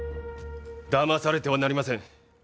だまされてはなりません。